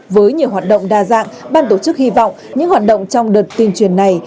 với nhiều hoạt động đa dạng ban tổ chức hy vọng những hoạt động trong đợt tuyên truyền này